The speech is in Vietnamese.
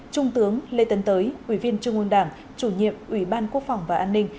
trung tướng lê tấn tới ủy viên trung ương đảng chủ nhiệm ủy ban quốc phòng và an ninh